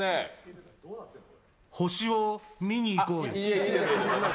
星を見に行こうよ。